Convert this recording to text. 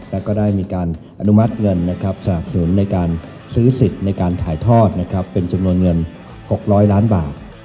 แล้วก็ได้มีการอนุมัติเงินสนับสนุนในการซื้อสิทธิ์ในการถ่ายทอดเป็นจำนวนเงิน๖๐๐ล้านบาท